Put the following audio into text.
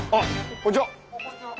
こんにちは。